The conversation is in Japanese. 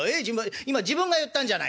今自分が言ったんじゃない。